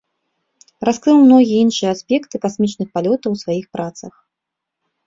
Раскрыў многія іншыя аспекты касмічных палётаў у сваіх працах.